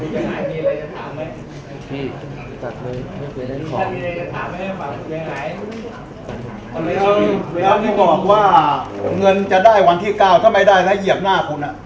แล้วที่บอกว่าผลเงินจะได้วันที่๙ถ้าไม่ได้แล้วเหยียบหน้าคุณ